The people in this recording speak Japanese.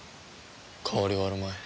変わりはあるまい。